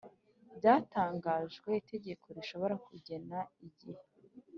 Byatangajwe, itegeko rishobora kugena igihe